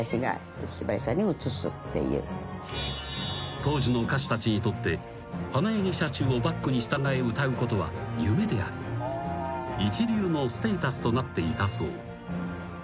［当時の歌手たちにとって花柳社中をバックに従え歌うことは夢であり一流のステータスとなっていたそう］